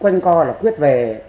quanh co là quyết về